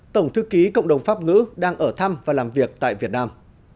tổng thư ký cộng đồng pháp ngữ đang ở thăm và làm việc tại việt nam